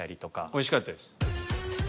おいしかったです。